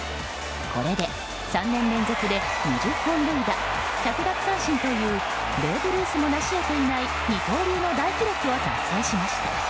これで３年連続で２０本塁打１００奪三振というベーブ・ルースもなし得ていない二刀流の大記録を達成しました。